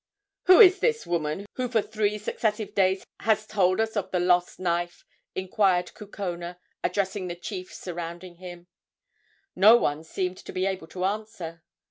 "Who is this woman who for three successive days has told us of the lost knife?" inquired Kukona, addressing the chiefs surrounding him. No one seemed to be able to answer.